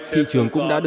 thị trường cũng đã đưa ra